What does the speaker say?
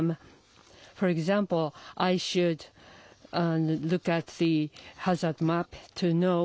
そうですね。